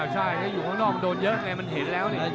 ใช่ถ้าอยู่ข้างนอกมันโดนเยอะไงมันเห็นแล้วเนี่ย